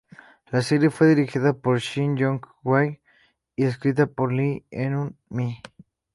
La serie fue dirigida por Shin Yong-hwi y escrita por Lee Eun-mi.